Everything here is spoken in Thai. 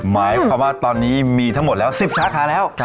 หมายความว่าตอนนี้มีทั้งหมดแล้ว๑๐สาขาแล้ว